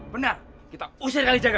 benar kita usir kalijaga